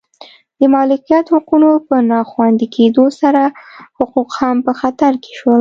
د مالکیت حقونو په نا خوندي کېدو سره حقوق هم په خطر کې شول